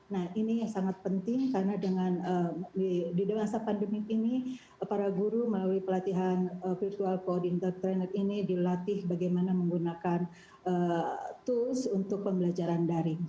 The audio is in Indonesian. nah ini sangat penting karena dengan di masa pandemi ini para guru melalui pelatihan virtual coordinator trainer ini dilatih bagaimana menggunakan tools untuk pembelajaran daring